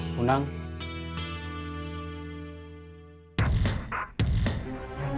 siapa yang nyuruh kamu